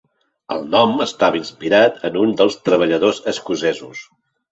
El nom estava inspirat en un dels treballadors escocesos.